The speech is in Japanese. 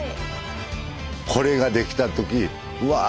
これができた時うわ！